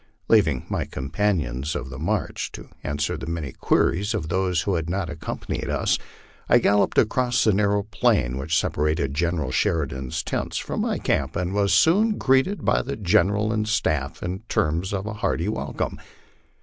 Leaving my companions of the march to answer the many queries of those who had not accompanied us, I galloped across the narrow plain which separated General Sheridan's tents from my camp, and was soon greeted by the General and staff in terms of hearty welcome.